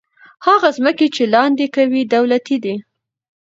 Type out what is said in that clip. هغه ځمکې چې لاندې کوي، دولتي دي.